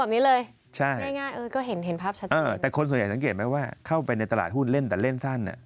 มันเป็นในตลาดหุ้นเล่นแต่เล่นสั้น